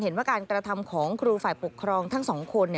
เห็นว่าการกระทำของครูฝ่ายปกครองทั้งสองคน